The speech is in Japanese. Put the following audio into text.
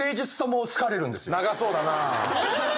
長そうだな。